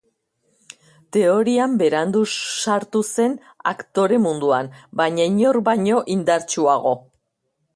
Teorian berandu sartu zen aktore munduan, baina inor baino indartsuago.